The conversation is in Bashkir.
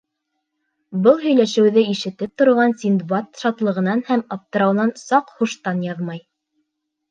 Был һөйләшеүҙе ишетеп торған Синдбад шатлығынан һәм аптырауынан саҡ һуштан яҙмай.